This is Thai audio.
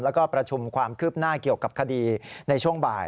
แล้วก็ประชุมความคืบหน้าเกี่ยวกับคดีในช่วงบ่าย